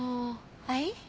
はい？